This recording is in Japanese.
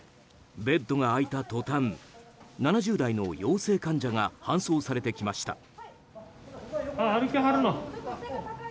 ベッドが空いた途端７０代の陽性患者が搬送されてきました。